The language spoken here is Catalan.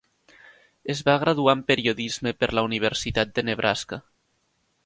Es va graduar en periodisme per la Universitat de Nebraska.